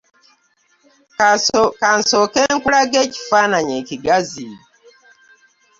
Ka nsooke nkulage ekifaananyi ekigazi.